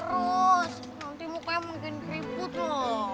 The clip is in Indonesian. mas nanti mukanya mungkin keribut lho